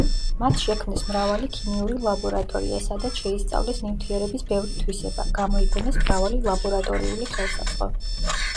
მათ შექმნეს მრავალი ქიმიური ლაბორატორია, სადაც შეისწავლეს ნივთიერების ბევრი თვისება, გამოიგონეს მრავალი ლაბორატორიული ხელსაწყო.